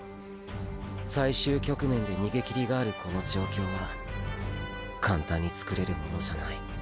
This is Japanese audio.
最終局面で先行きりがあるこの状況は簡単につくれるものじゃない。